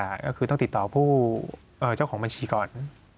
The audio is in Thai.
ก็คือต้องติดต่อผู้เจ้าของบัญชีก่อน